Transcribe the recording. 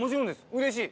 うれしい。